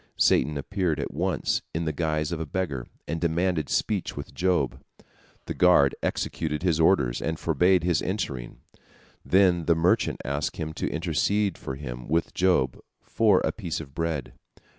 Satan appeared at once, in the guise of a beggar, and demanded speech with Job. The guard executed his orders, and forbade his entering. Then the mendicant asked him to intercede for him with Job for a piece of bread.